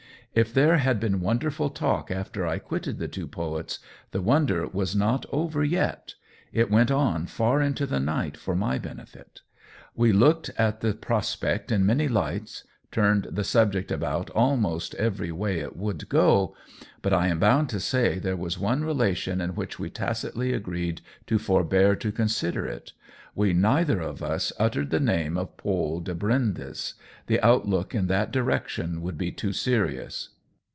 If there had been wonderful talk after I quitted the two poets, the wonder was not over yet — it went on far into the night for my benefit. We COLLABORATION 135 looked at the prospect in many lights, turned the subject about almost every way it would go ; but I am bound to say there was one relation in which we tacitly agreed to forbear to consider it. We neither of us uttered the name of Paule de Brindes — the outlook in that direction would be too serious.